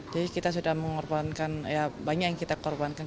jadi kita sudah mengorbankan banyak yang kita korbankan